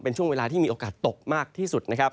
เป็นช่วงเวลาที่มีโอกาสตกมากที่สุดนะครับ